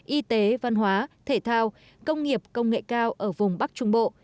y tế văn hóa thể thao công nghiệp công nghệ cao ở vùng bắc trung bộ